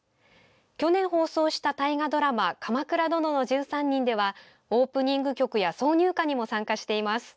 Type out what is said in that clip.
去年放送した大河ドラマ「鎌倉殿の１３人」ではオープニング曲や挿入曲にも参加しています。